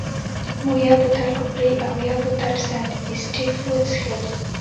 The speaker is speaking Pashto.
مو یو بوتل کپري او یو بوتل سنت اېسټېف وڅېښل.